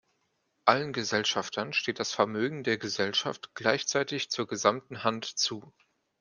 Allen Gesellschaftern steht das Vermögen der Gesellschaft gleichzeitig zur gesamten Hand zu.